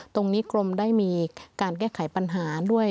กรมได้มีการแก้ไขปัญหาด้วย